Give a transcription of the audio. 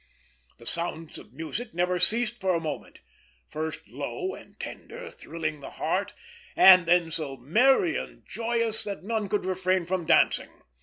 The sounds of music never ceased for a moment: first low and tender, thrilling the heart, and then so merry and joyous that none could refrain from dancing.